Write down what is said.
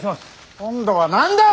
今度は何だ！